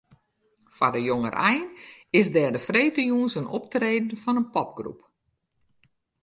Foar de jongerein is der de freedtejûns in optreden fan in popgroep.